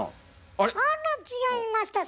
あら違いました。